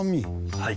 はい。